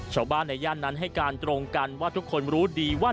ชาวบ้านในย่านนั้นให้การตรงกันว่าทุกคนรู้ดีว่า